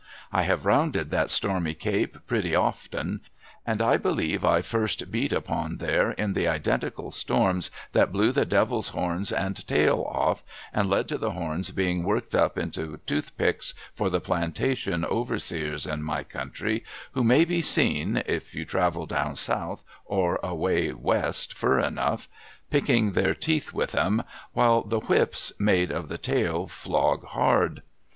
I have rounded that stormy Cape pretty often, and I believe I first ])eat about there in the identical storms that blew the Devil's horns and tail off, and led to the horns being worked up into tooth picks for the i)lantation overseers in my country, who may be seen (if > ou travel down South, or away A\'est, fur enough) picking their teeth with 'em, while the whips, made of the tail, flog hard.